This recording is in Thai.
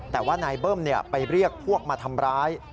แต่ว่านายเบิ้มไปเรียกพวกมาทำร้าย